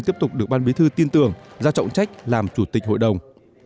tiếp tục được ban bí thư tiên tưởng giao trọng trách làm chủ tịch hội đồng